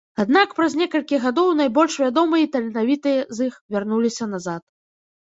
Аднак праз некалькі гадоў найбольш вядомыя і таленавітыя з іх вярнуліся назад.